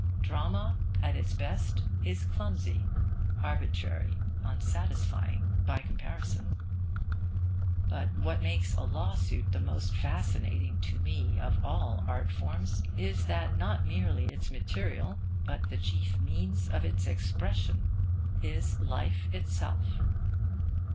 Drama, at its best, is clumsy, arbitrary, unsatisfying, by comparison. But what makes a law suit the most fascinating, to me, of all art forms, is that not merely its material, but the chief means of its expression, is life itself.